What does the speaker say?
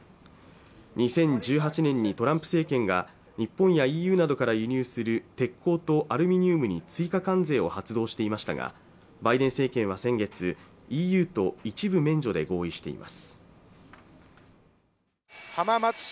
２０１８年にトランプ政権が日本やＥＵなどから輸入する鉄鋼とアルミニウムに追加関税を発動していましたがバイデン政権は先月ＥＵと一部免除で合意しています